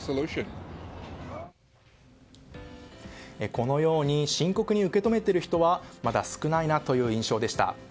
このように深刻に受け止めている人はまだ少ない印象でした。